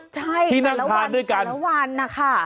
ใช่แต่ละวันแต่ละวันนะคะที่นั่งทานด้วยกัน